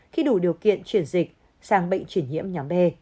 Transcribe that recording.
khi đủ điều kiện chuyển